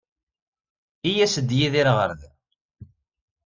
I yas-d Yidir ɣer da?